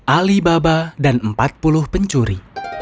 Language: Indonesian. alibaba dan empat puluh pencuri